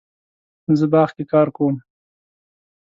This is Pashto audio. زه باغ کې کار کوم